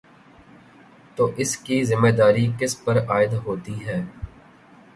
تو اس کی ذمہ داری کس پر عائد ہوتی ہے؟